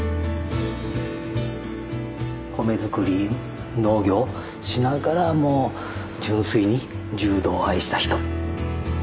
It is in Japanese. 米づくり農業しながらも純粋に柔道を愛した人。